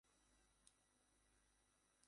তার মনে হয়েছে যে, তিনি এসেছেন মায়ের কাছে।